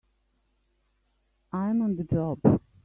I'm on the job!